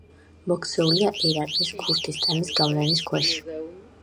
მოქცეულია ერაყის ქურთისტანის გავლენის ქვეშ.